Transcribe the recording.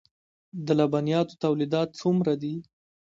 د لبنیاتو تولیدات څومره دي؟